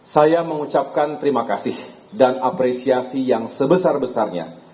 saya mengucapkan terima kasih dan apresiasi yang sebesar besarnya